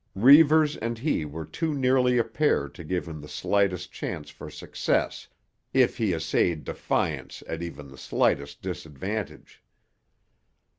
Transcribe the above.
Reivers and he were too nearly a pair to give him the slightest chance for success if he essayed defiance at even the slightest disadvantage.